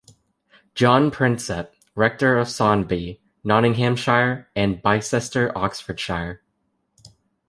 John Prinsep, rector of Saundby, Nottinghamshire, and Bicester, Oxfordshire.